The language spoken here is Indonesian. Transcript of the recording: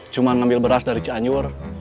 cuma ngambil beras dari cianjur